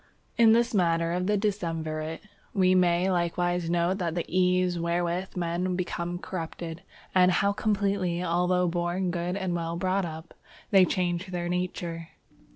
_ In this matter of the decemvirate we may likewise note the ease wherewith men become corrupted, and how completely, although born good and well brought up, they change their nature.